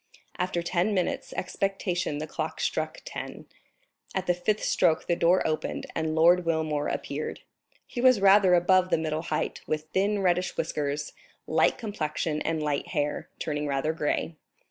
After ten minutes' expectation the clock struck ten; at the fifth stroke the door opened and Lord Wilmore appeared. He was rather above the middle height, with thin reddish whiskers, light complexion and light hair, turning rather gray.